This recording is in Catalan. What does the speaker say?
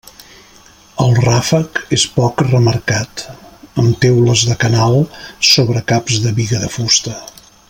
El ràfec és poc remarcat, amb teules de canal sobre caps de biga de fusta.